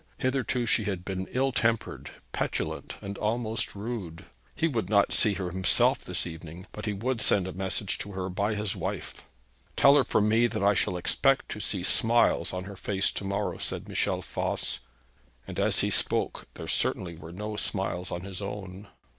Hitherto she had been ill tempered, petulant, and almost rude. He would not see her himself this evening, but he would send a message to her by his wife. 'Tell her from me that I shall expect to see smiles on her face to morrow,' said Michel Voss. And as he spoke there certainly were no smiles on his own.